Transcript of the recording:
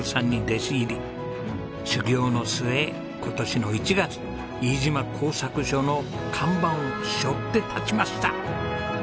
修業の末今年の１月飯島工作所の看板を背負って立ちました。